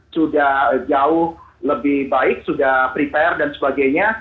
sudah jauh lebih baik sudah prepare dan sebagainya